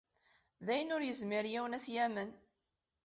D ayen ur yezmir yiwen ad t-yamen!